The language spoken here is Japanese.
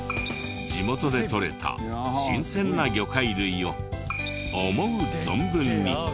地元でとれた新鮮な魚介類を思う存分に。